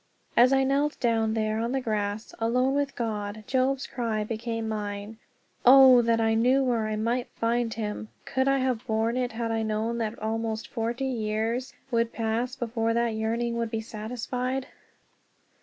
As I knelt down there on the grass, alone with God, Job's cry became mine, "Oh, that I knew where I might find him!" Could I have borne it had I known then that almost forty years would pass before that yearning would be satisfied?